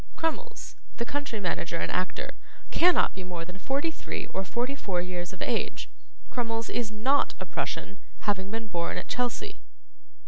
Crummles, the country manager and actor, cannot be more than forty three, or forty four years of age. Crummles is NOT a Prussian, having been born at Chelsea."